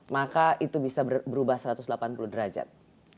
maka itu bisa berubah satu ratus delapan puluh derajat